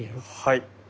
はい。